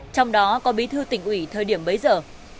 trong đó có bí thư tỉnh ủy thời điểm bấy giờ